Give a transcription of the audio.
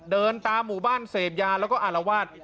เดินตามหมู่บ้านเสพยาแล้วก็อารวาส